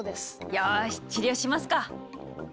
よし治療しますか。